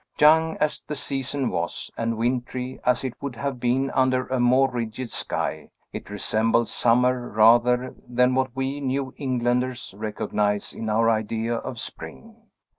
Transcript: Young as the season was, and wintry, as it would have been under a more rigid sky, it resembled summer rather than what we New Englanders recognize in our idea of spring.